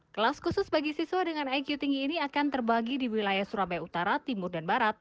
kelas khusus bagi siswa dengan iq tinggi ini akan terbagi di wilayah surabaya utara timur dan barat